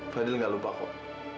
fadil nggak lupa kok